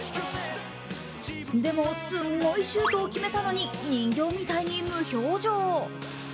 でも、すんごいシュートを決めたのに、人形みたいに無表情。